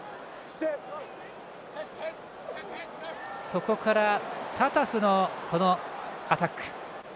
そこから、タタフのアタック。